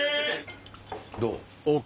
どう？